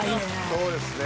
そうですね。